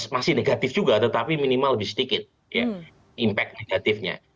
masih negatif juga tetapi minimal lebih sedikit impact negatifnya